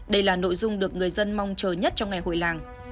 đây là nội dung được người dân mong chờ nhất trong ngày hội làng